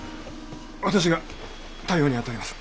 私が対応に当たります。